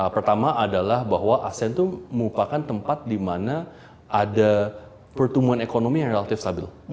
pertama adalah bahwa asean itu merupakan tempat di mana ada pertumbuhan ekonomi yang relatif stabil